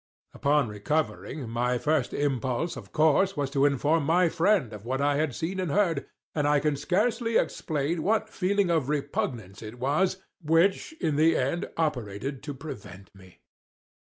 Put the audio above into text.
Upon recovering, my first impulse, of course, was to inform my friend of what I had seen and heard—and I can scarcely explain what feeling of repugnance it was which, in the end, operated to prevent me.